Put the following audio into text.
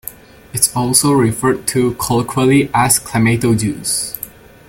It is also referred to colloquially as "clamato juice".